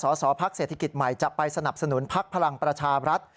สสพักเศรษฐกิจใหม่จะไปสนับสนุนพักพลังประชาบรัฐ